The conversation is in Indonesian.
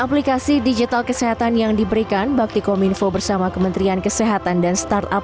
aplikasi digital kesehatan yang diberikan bakti kominfo bersama kementerian kesehatan dan startup